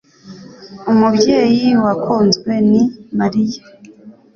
umubyeyi wakunzwe ni mariya